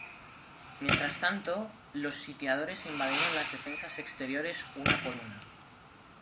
Mientras tanto, los sitiadores invadieron las defensas exteriores una por una.